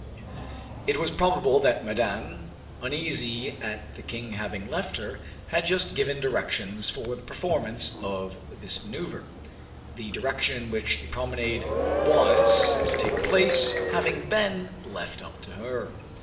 It was probable that Madame, uneasy at the king having left her, had just given directions for the performance of this maneuver, the direction in which the promenade was to take place having been left to her.